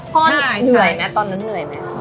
เหนื่อยไหมตอนนั้นเหนื่อยไหม